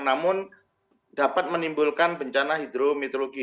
namun dapat menimbulkan bencana hidrometeorologi